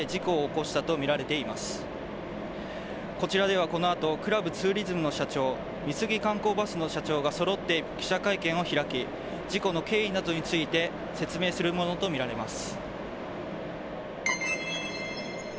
こちらでは、このあとクラブツーリズムの社長美杉観光バスの社長がそろって記者会見を開き事故の経緯などについて説明するものとみられます。